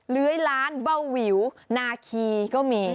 เลื้อยล้านเบาวิวนาคีก็มี